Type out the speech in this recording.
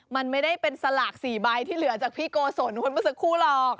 มันไม่ได้เป็นศัลก๔ใบที่เหลือจากพี่โกศลแบบนั้นสักครู่กล่อง